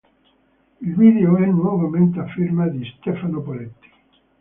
Il video è nuovamente a firma di Stefano Poletti.